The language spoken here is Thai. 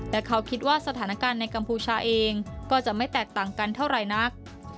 และเขาคิดว่าสถานการณ์ในกัมพูชาเองก็จะไม่แตกต่างกันเท่าไหร่นัก